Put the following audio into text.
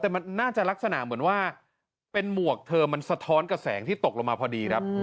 แต่มันน่าจะลักษณะเหมือนว่าเป็นหมวกเธอมันสะท้อนกับแสงที่ตกลงมาพอดีครับ